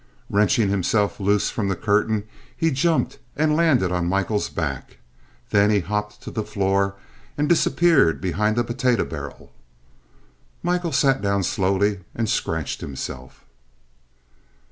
Wrenching himself loose from the curtain, he jumped and landed on Michael's back. Then he hopped to the floor and disappeared behind the potato barrel. Michael sat down slowly and scratched himself.